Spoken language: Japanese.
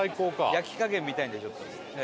焼き加減見たいんでちょっと。